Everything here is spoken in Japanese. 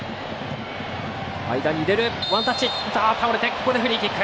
ここでフリーキック。